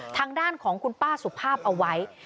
ทางด้านของคุณป้าสุภาพเอาไว้